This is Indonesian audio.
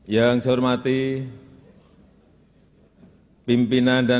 yang saya hormati pimpinan dan